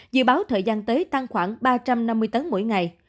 dự báo thời gian tới tăng khoảng ba trăm năm mươi tấn mỗi ngày